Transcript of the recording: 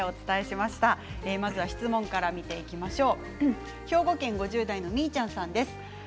まずは質問から見ていきましょう。